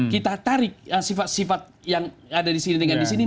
kita tarik sifat sifat yang ada di sini dengan di sini